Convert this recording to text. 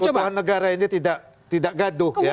perubahan negara ini tidak gaduh ya